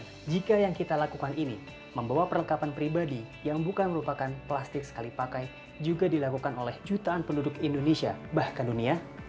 tapi jika yang kita lakukan ini membawa perlengkapan pribadi yang bukan merupakan plastik sekali pakai juga dilakukan oleh jutaan penduduk indonesia bahkan dunia